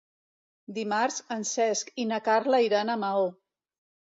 Dimarts en Cesc i na Carla iran a Maó.